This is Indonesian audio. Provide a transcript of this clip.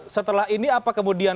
setelah ini apa kemudian